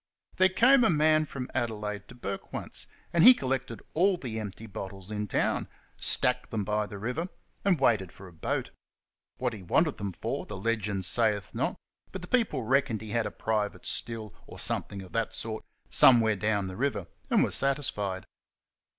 There came a man from Adelaide to Bourke once, and he collected all the empty bottles in town, stacked them by the river, and waited for a boat. What he wanted them for the legend sayeth not, but the people reckoned he had a "private still," or some thing of that sort, somewhere down the river, and were satisfied.